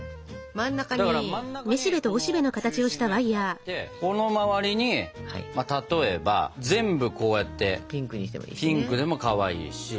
真ん中にこの中心のやつがあってこの周りに例えば全部こうやってピンクでもかわいいし。